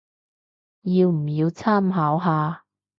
要唔要參考下